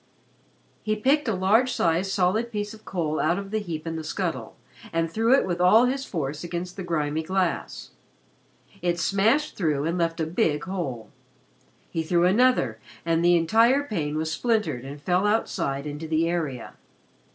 He picked a large sized solid piece of coal out of the heap in the scuttle, and threw it with all his force against the grimy glass. It smashed through and left a big hole. He threw another, and the entire pane was splintered and fell outside into the area.